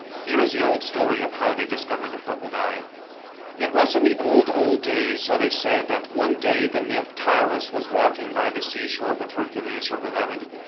Here is the old story of how they discovered the purple dye. It was in the old, old days, so they said, that one day the nymph Tyros was walking by the sea sho v e with Hercules, her beloved.